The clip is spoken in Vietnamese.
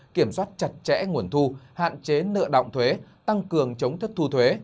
kiểm soát chặt chẽ nguồn thu hạn chế nợ động thuế tăng cường chống thất thu thuế